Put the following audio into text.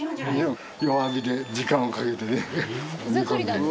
弱火で時間をかけて煮込んで。